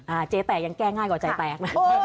อ่าเจแตกยังแก้ง่ายกว่าใจแตก